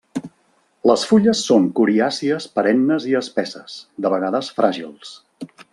Les fulles són coriàcies perennes i espesses, de vegades fràgils.